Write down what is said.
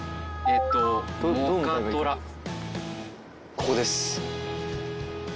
ここです。